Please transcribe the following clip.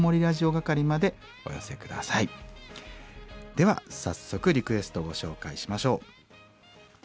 では早速リクエストご紹介しましょう。